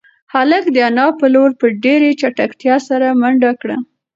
هلک د انا په لور په ډېرې چټکتیا سره منډه کړه.